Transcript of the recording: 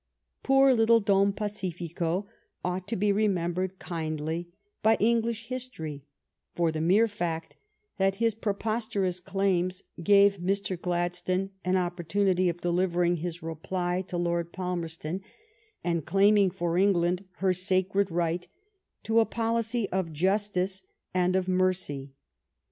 Poor little Don Pacifico ought to be remembered kindly by English history for the mere fact that his preposterous claims gave Mr. Gladstone an opportunity of delivering his reply to Lord Palmerston, and claiming for England her sacred right to a policy of justice and of mercy.